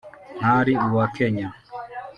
ntari uwa Kenya